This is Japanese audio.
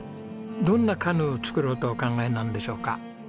どんなカヌー作ろうとお考えなんでしょうか？